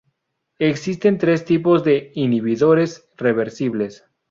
Existen tres tipos de inhibidores reversibles.